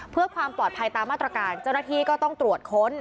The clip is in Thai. เพื่อความปลอดภัยตามมาตรการเจ้าหน้าที่ก็ต้องตรวจค้น